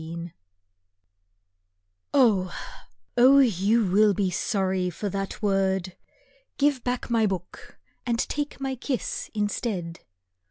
VII Oh, oh, you will be sorry for that word! Give back my book and take my kiss instead.